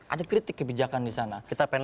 ada kritik kebijakan di sana